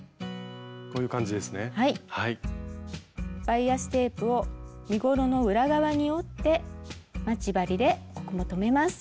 バイアステープを身ごろの裏側に折って待ち針でここも留めます。